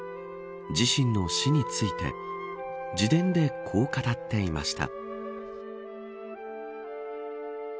自身の死について自伝でこう語っていました。